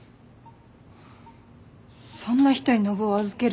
そんな人に信男預けるんだ。